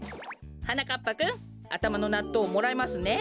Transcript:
はなかっぱくんあたまのなっとうもらいますね。